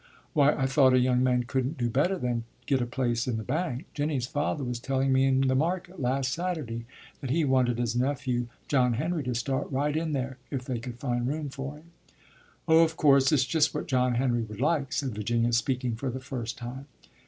"Why, I thought a young man couldn't do better than get a place in the bank. Jinny's father was telling me in the market last Saturday that he wanted his nephew John Henry to start right in there if they could find room for him." "Oh, of course, it's just what John Henry would like," said Virginia, speaking for the first time.